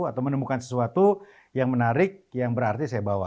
atau menemukan sesuatu yang menarik yang berarti saya bawa